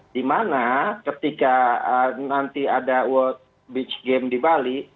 dimana ketika nanti ada world beach game di bali